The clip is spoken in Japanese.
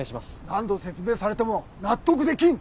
何度説明されても納得できん！